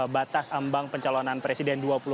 batas ambang pencalonan presiden